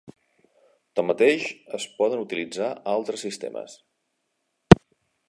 Tanmateix, es poden utilitzar altres sistemes.